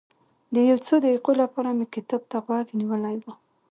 د یو څو دقیقو لپاره مې کتاب ته غوږ نیولی و.